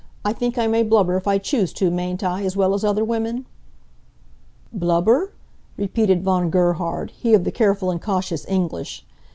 I think I may blubber if I choose to, mayn't I, as well as other women?" "Blubber?" repeated Von Gerhard, he of the careful and cautious English.